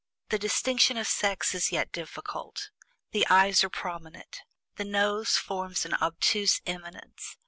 The distinction of sex is yet difficult. The eyes are prominent. The nose forms an obtuse eminence.